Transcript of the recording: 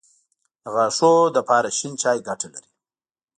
د غاښونو دپاره شين چای ګټه لري